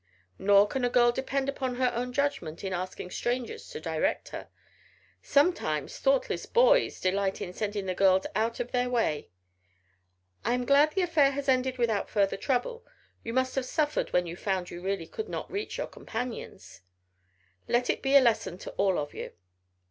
Nor can a girl depend upon her own judgment in asking strangers to direct her. Sometimes thoughtless boys delight in sending the girls out of their way. I am glad the affair has ended without further trouble. You must have suffered when you found you really could not reach your companions. Let it be a lesson to all of you."